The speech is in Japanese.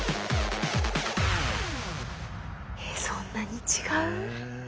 そんなに違う？